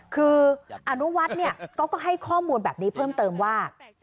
คืออนุวัฒน์ก็ให้ข้อมูลแบบนี้เพิ่มเติมว่า